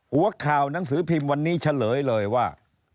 หัวข่าวหนังสือพิมพ์วันนี้เฉลยเลยว่า